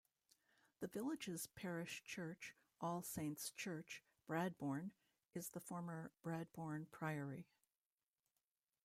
The village's parish church, All Saints' Church, Bradbourne, is the former Bradbourne Priory.